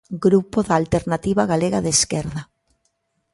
Grupo da Alternativa Galega de Esquerda.